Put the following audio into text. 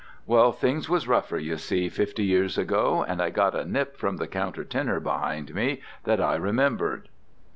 Well, things was rougher, you see, fifty years ago, and I got a nip from the counter tenor behind me that I remembered.